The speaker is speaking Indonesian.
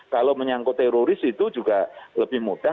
kalau menyangkut teroris itu juga lebih mudah